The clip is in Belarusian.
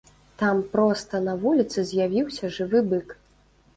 Там проста на вуліцы з'явіўся жывы бык.